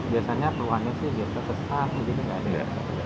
biasanya keluhannya sih biasa sesan jadi ini nggak ada